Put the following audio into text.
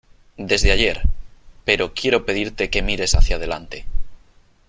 desde ayer , pero quiero pedirte que mires hacia adelante .